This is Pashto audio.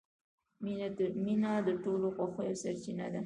• مینه د ټولو خوښیو سرچینه ده.